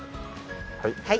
はい。